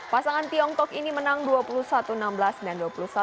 pasangan tiongkok ini menang dua puluh satu enam belas dan dua puluh satu enam belas